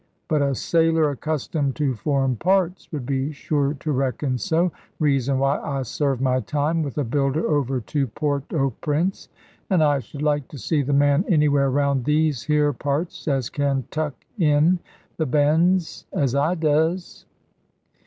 But a sailor accustomed to foreign parts would be sure to reckon so, reason why I served my time with a builder over to Port au Prince. And I should like to see the man anywhere round these here parts, as can tuck in the bends as I does."